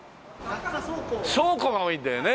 倉庫が多いんだよね